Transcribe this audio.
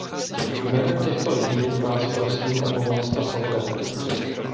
Jménem těchto lidí vás prosím o pomoc a solidaritu.